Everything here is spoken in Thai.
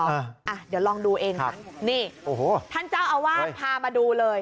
อ่ะเดี๋ยวลองดูเองค่ะนี่โอ้โหท่านเจ้าอาวาสพามาดูเลย